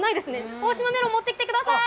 大島メロン、持ってきてください！